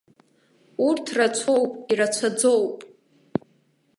Урҭ рацәоуп, ирацәаӡоуп.